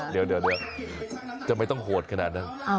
เดี๋ยวจะไม่ต้องโหดขนาดนั้น